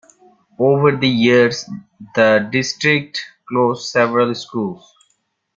Over the years, the district closed several schools.